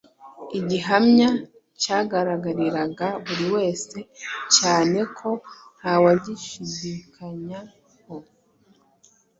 Igihamya cyagaragariraga buri wese cyane ku buryo ntawagishidikanyaho.